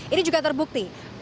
ini juga terbukti